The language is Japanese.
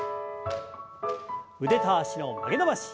腕と脚の曲げ伸ばし。